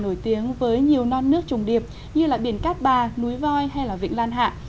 nổi tiếng với nhiều non nước trùng điệp như biển cát bà núi voi hay vịnh lan hạ